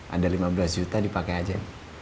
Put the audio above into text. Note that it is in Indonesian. ada lima belas juta dipakai aja